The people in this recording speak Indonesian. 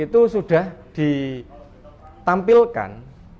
itu sudah ditampilkan